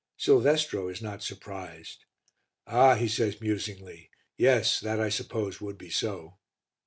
Silvestro is not surprised. "Ah!" he says musingly, "yes; that, I suppose, would be so."